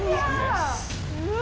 うわ！